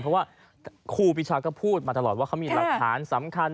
เพราะว่าครูปีชาก็พูดมาตลอดว่าเขามีหลักฐานสำคัญ